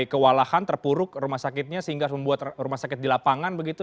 kewalahan terpuruk rumah sakitnya sehingga membuat rumah sakit di lapangan begitu